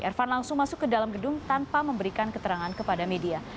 ervan langsung masuk ke dalam gedung tanpa memberikan keterangan kepada media